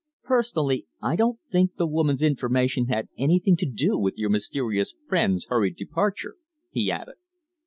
"Personally, I don't think the woman's information had anything to do with your mysterious friend's hurried departure," he added.